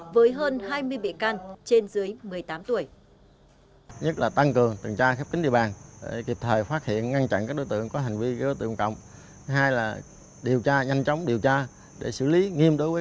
với hơn hai mươi bị can trên dưới một mươi tám tuổi